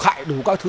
khại đủ các thứ